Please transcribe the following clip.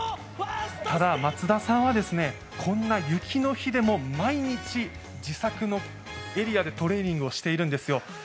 ただ、松田さんは、こんな雪の日でも毎日、自作のエリアでトレーニングをしているんですよ。